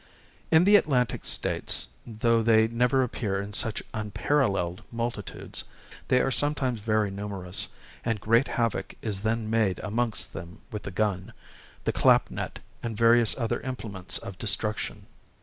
"In the Atlantic States, though they never appear in such unparalleled multitudes, they are sometimes very numerous; and great havoc is then made amongst them with the gun, the clap net, and various other implements of destruction.